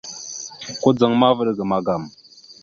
Kudzaŋ ma, vaɗ ga magam.